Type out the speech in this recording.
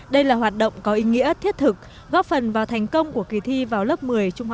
đây là hoạt động có ý nghĩa thiết thực góp phần vào thành công của kỳ thi vào lớp một mươi trung học phổ thông